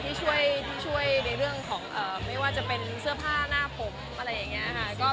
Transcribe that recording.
ที่ช่วยในเรื่องของไม่ว่าจะเป็นเสื้อผ้าหน้าผมอะไรอย่างนี้ค่ะ